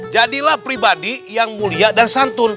jadilah pribadi yang mulia dan santun